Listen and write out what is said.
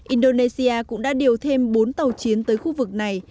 indonesia cũng đã điều thêm bốn tàu chiến tới khu vực này